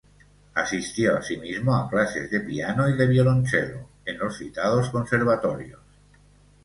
Asistió asimismo a clases de piano y de violoncello en los citados conservatorios.